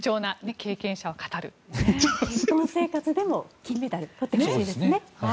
結婚生活でも金メダルを取ってほしいですね。